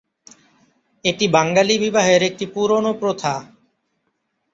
এটি বাঙ্গালী বিবাহের একটি পুরনো প্রথা।